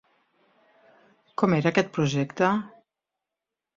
Com era aquest projecte?